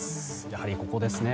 やはりここですね。